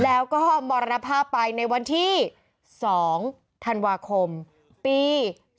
แล้วก็มรณภาพไปในวันที่๒ธันวาคมปี๒๕๖